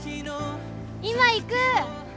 今行く！